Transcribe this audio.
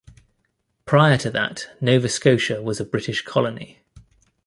Prior to that, Nova Scotia was a British colony.